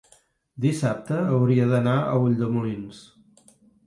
dissabte hauria d'anar a Ulldemolins.